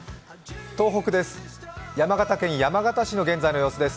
東北です。